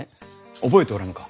覚えておらぬか？